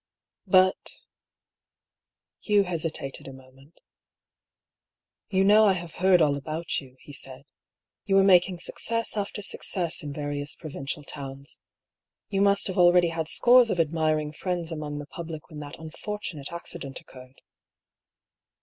" But " Hugh hesitated a moment. " You know I have heard all about you," he said. " You were making success after success in various provincial towns — ^you must have already had scores of admiring friends among the public when that unfortunate accident occurred."